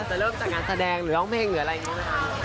จะเริ่มจากงานแสดงหรือร้องเพลงหรืออะไรอย่างนี้ไหมคะ